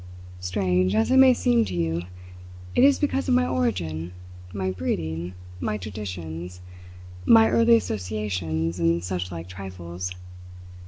"Strange as it may seem to you, it is because of my origin, my breeding, my traditions, my early associations, and such like trifles.